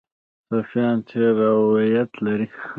صوفیان تېر روایت لري.